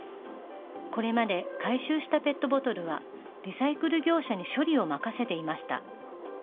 これまで回収したペットボトルは、リサイクル業者に処理を任せていました。